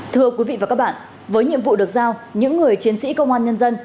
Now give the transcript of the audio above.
thưa quý vị và các bạn với nhiệm vụ được giao những người chiến sĩ công an nhân dân